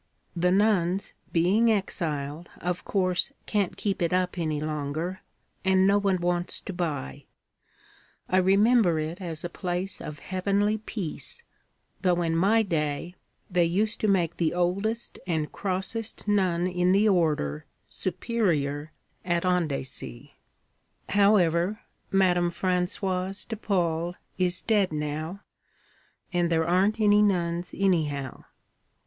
'The nuns, being exiled, of course can't keep it up any longer, and no one wants to buy. I remember it as a place of heavenly peace though in my day they used to make the oldest and crossest nun in the order superior at Andecy. However, Madame Françoise de Paule is dead now, and there aren't any nuns anyhow.